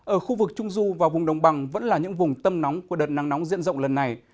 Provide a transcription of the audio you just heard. ở khu vực trung du và vùng đồng bằng vẫn là những vùng tâm nóng của đợt nắng nóng diện rộng lần này